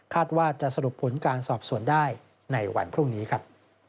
ว่าจะสรุปผลการสอบสวนได้ในวันพรุ่งนี้ครับ